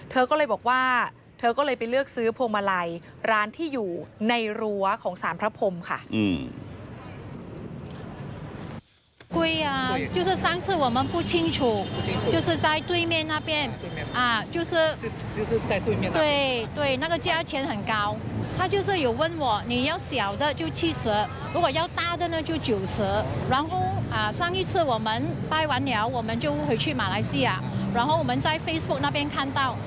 เธอก็เลยบอกว่าเธอก็เลยไปเลือกซื้อพวงมาลัยร้านที่อยู่ในรั้วของสารพระพรมค่ะ